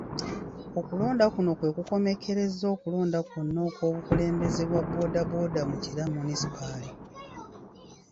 Okulonda kuno kwe kukomekkerezza okulonda kwonna okw'obukulembeze bwa bbooda bbooda mu Kira Munisipaali.